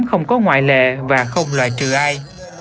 không có ngoại lệ và không loại trừ ai